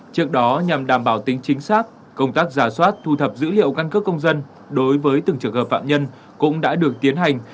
trước đó nhằm đảm bảo tính chính xác công tác giả soát thu thập dữ liệu căn cước công dân đối với từng trường hợp phạm nhân cũng đã được tiến hành